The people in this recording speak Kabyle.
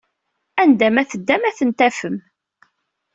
Anda ma teddam ad tent-tafem!